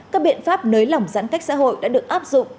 các biện pháp nới lỏng giãn cách xã hội đã được áp dụng